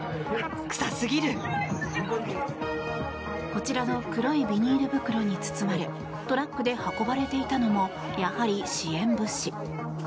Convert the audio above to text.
こちらの黒いビニール袋に包まれトラックで運ばれていたのもやはり支援物資。